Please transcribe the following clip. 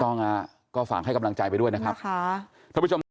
ถูกต้องก็ฝากให้กำลังใจไปด้วยนะครับ